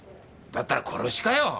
だったら殺しかよ？